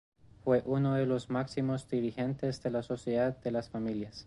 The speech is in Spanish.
Fue uno de los máximos dirigentes de la Sociedad de las Familias.